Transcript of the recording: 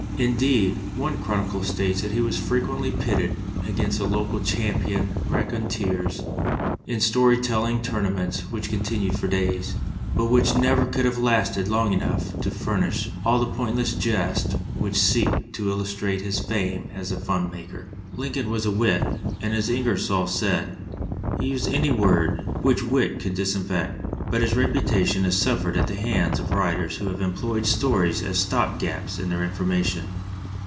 Indeed, one chronicler states that he was frequently pitted against the local champion raconteurs in story telling tournaments which continued for days, but which never could have lasted long enough to furnish all the pointless jests which seek to illustrate his fame as a fun maker. Lincoln was a wit, and, as Ingersoll said, he used any word "which wit could disinfect," but his reputation has suffered at the hands of writ ers who have employed stories as stop gaps in their information.